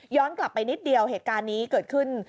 กลับไปนิดเดียวเหตุการณ์นี้เกิดขึ้น